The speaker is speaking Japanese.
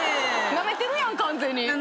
なめてるやん完全に。